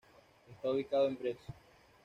Está ubicado en Brest.